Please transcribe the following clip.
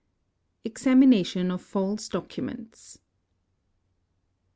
Examination of False Documents.